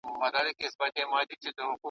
شپه دي اوږده تپه تیاره دي وي `